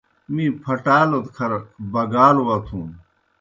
می پھٹالوْد کھر بَگالوْ وتُھن۔